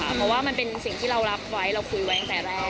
เพราะว่ามันเป็นสิ่งที่เรารับไว้เราคุยไว้ตั้งแต่แรก